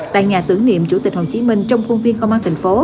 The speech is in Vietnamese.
tại nhà tử niệm chủ tịch hồ chí minh trong khuôn viên công an tp cn